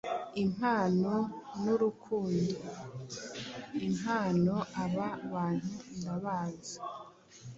Impano nurukundo-impano Aba bantu ndabazi